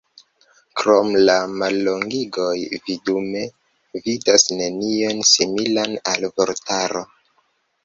Krom la mallongigoj vi dume vidas nenion similan al vortaro.